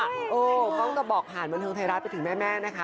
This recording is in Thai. กล้องก็บอกผ่านบันเทิงไทยรัฐไปถึงแม่นะคะ